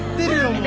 もう。